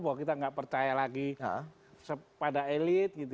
bahwa kita nggak percaya lagi pada elit gitu